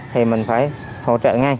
thì mình phải hỗ trợ ngay